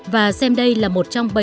và xem đây là một trong